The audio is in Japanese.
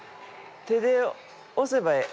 手で押せばええ。